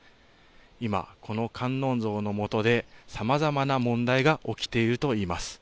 今、この観音像のもとでさまざまな問題が起きているといいます。